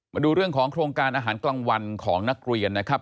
มาดูเรื่องของโครงการอาหารกลางวันของนักเรียนนะครับ